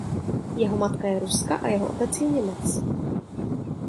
Jeho matka je Ruska a jeho otec je Němec.